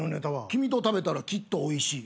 「きみと食べたら、きっと美味しい。」